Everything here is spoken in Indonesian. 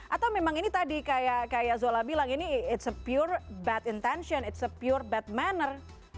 atau memang ini tadi kayak zola bilang it's a pure bad intention it's a pure bad manner